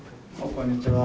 こんにちは。